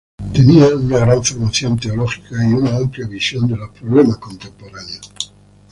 Tenía una gran formación teológica y una amplia visión de los problemas contemporáneos.